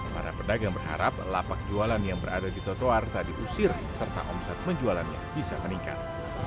para pedagang berharap lapak jualan yang berada di trotoar tak diusir serta omset penjualannya bisa meningkat